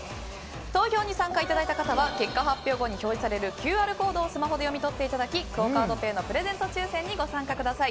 投票にご参加いただいた方は結果発表後に表示されるＱＲコードをスマホで読み取っていただきクオ・カードペイのプレゼント抽選にご参加ください。